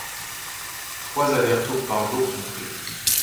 Trois allers-retours par jour sont prévus.